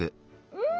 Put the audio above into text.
うん。